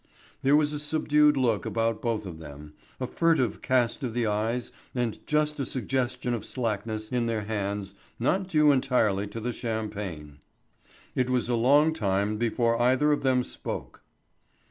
There was a subdued look about both of them, a furtive cast of the eyes and just a suggestion of slackness in their hands not due entirely to the champagne. It was a long time before either of them spoke.